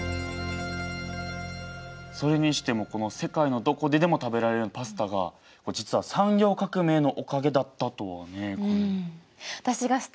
それにしても世界のどこででも食べられるようになったパスタが実は産業革命のおかげだったとはね。